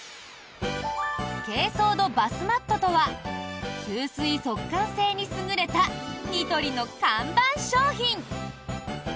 珪藻土バスマットとは吸水速乾性に優れたニトリの看板商品。